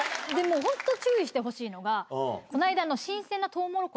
ホント注意してほしいのがこの間。